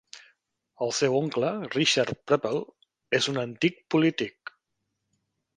El seu oncle, Richard Prepple, és un antic polític.